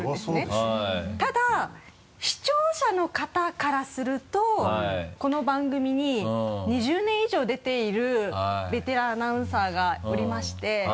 ただ視聴者の方からするとこの番組に２０年以上出ているベテランアナウンサーがおりまして。